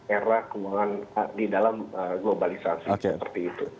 era keuangan di dalam globalisasi seperti itu